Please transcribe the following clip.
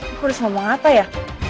aku udah sama ngapa ya